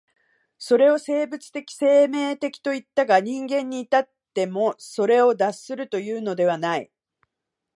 それを生物的生命的といったが、人間に至ってもそれを脱するというのではない。